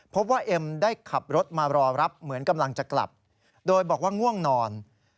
พบว่าเอ็มได้ขับรถมารอรับเหมือนกำลังจะกลับโดยบอกว่าง่วงนอน